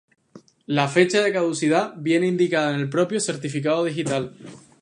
La fecha de caducidad viene indicada en el propio certificado digital.